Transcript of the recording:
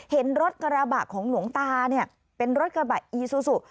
เห็นรถกระบะของหลวงตาเนี่ยเป็นรถกระบะอีซูซู